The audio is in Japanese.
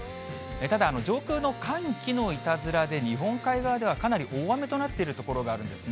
ただ上空の寒気のいたずらで、日本海側ではかなり大雨となっている所があるんですね。